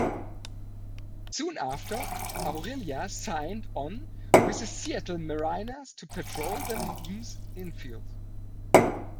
Soon after, Aurilia signed on with the Seattle Mariners to patrol the M's infield.